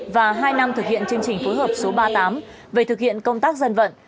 và hai năm thực hiện chương trình phối hợp số ba mươi tám về thực hiện công tác dân vận